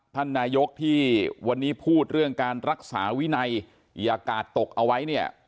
ท่านนายกที่วันนี้พูดเรื่องการรักษาวินัยอย่ากาดตกเอาไว้เนี่ย